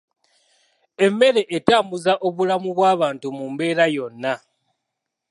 Emmere etambuza obulamu bw'abantu mu mbeera yonna